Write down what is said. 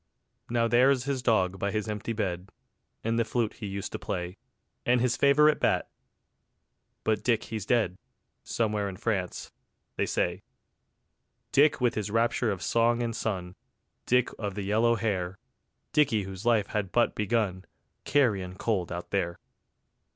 Now there's his dog by his empty bed, And the flute he used to play, And his favourite bat ... but Dick he's dead, Somewhere in France, they say: Dick with his rapture of song and sun, Dick of the yellow hair, Dicky whose life had but begun, Carrion cold out there.